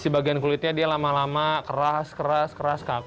bagian kulitnya dia lama lama keras keras kaku